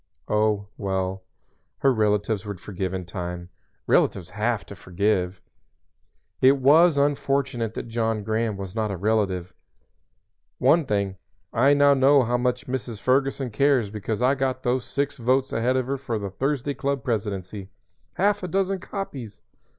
Oh, well, her relatives would forgive in time. Relatives have to forgive. It was unfortunate that John Graham was not a relative. "One thing, I know now how much Mrs. Ferguson cares because I got those six votes ahead of her for the Thursday Club presidency Half a dozen copies!"